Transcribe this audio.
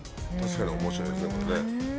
確かに面白いですねこれね。